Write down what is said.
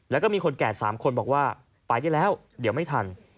แล้วก็มีคนแก่๓คนบอกว่าไปได้แล้วเดี๋ยวไม่ทัน